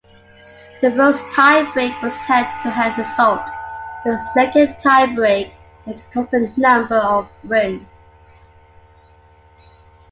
The first tie-break was head-to-head result; the second tie-break was total number of wins.